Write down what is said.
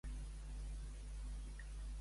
A què engrillona als homes?